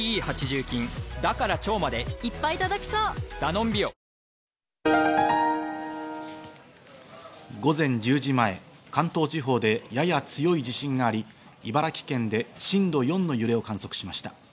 国内企業の決算発表が始まっていることから、午前１０時前、関東地方でやや強い地震があり、茨城県で震度４の揺れを観測しました。